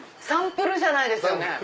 サンプルじゃないですよね。